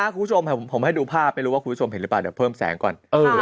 คุณผู้ชมผมให้ดูภาพไม่รู้ว่าคุณผู้ชมเห็นหรือเปล่าเดี๋ยวเพิ่มแสงก่อน